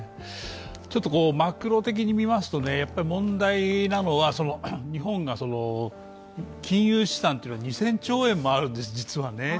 マクロ的に見ますと、問題なのは日本が金融資産というのが２０００兆円もあるんです、実は。